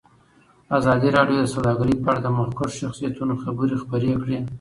ازادي راډیو د سوداګري په اړه د مخکښو شخصیتونو خبرې خپرې کړي.